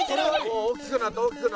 大きくなった。